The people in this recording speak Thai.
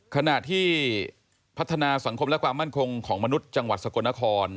ขณะที่พัฒนาสังคมและความมั่นคงของมนุษย์จังหวัดสกลนคร